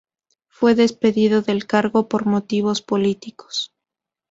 Fue despedido del cargo por motivos políticos.